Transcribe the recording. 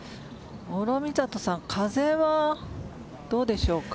諸見里さん風はどうでしょうか。